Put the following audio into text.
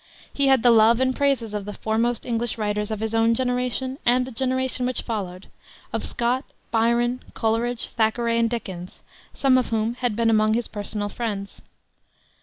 He had the love and praises of the foremost English writers of his own generation and the generation which followed of Scott, Byron, Coleridge, Thackeray, and Dickens, some of whom had been among his personal friends.